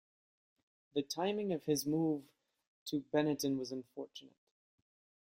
The timing of his move to Benetton was unfortunate.